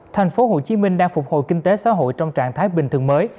thành phố hồ chí minh đang phục hồi kinh tế xã hội trong trạng thái bình thường mới